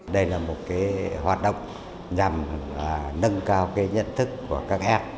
đây là một hoạt động nhằm nâng cao nhận thức của các em